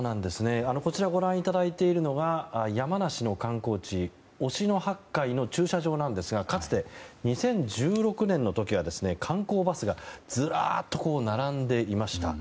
ご覧いただいているのは山梨の観光地忍野八海の駐車場なんですがかつて２０１６年の時は観光バスがずらっと並んでいました。